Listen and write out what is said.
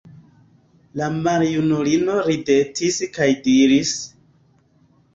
La maljunulino ridetis kaj diris: